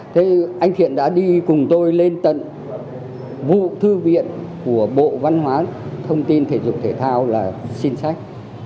thế anh thiện đã đi cùng tôi lên tận vụ thư viện của bộ văn hóa thông tin thể dục thể thao là xin sách